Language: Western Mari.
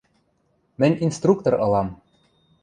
Мӹнь инструктор ылам...